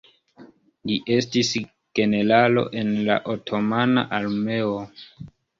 Li estis generalo en la Otomana Armeo.